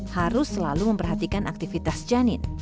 harus selalu memperhatikan aktivitas janin